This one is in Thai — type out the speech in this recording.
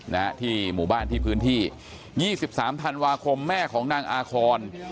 นะฮะที่หมู่บ้านที่พื้นที่ยี่สิบสามธันวาคมแม่ของนางอาคอน